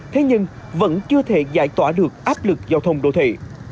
thế nhưng vẫn chưa thể giải tỏa được áp lực giao thông đô thị